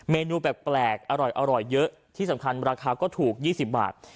เมนูแบบแปลกอร่อยอร่อยเยอะที่สำคัญราคาก็ถูกยี่สิบบาท